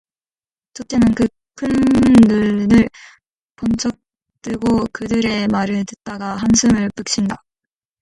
첫째는 그 큰 눈을 번쩍 뜨고 그들의 말을 듣다가 한숨을 푹 쉰다.